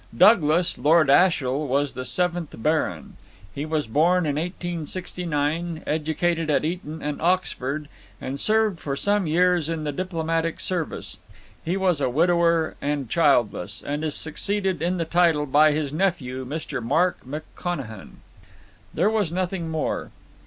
Douglas, Lord Ashiel, was the seventh Baron. He was born in 1869, educated at Eton and Oxford, and served for some years in the Diplomatic Service. He was a widower and childless, and is succeeded in the title by his nephew, Mr. Mark McConachan." There was nothing more.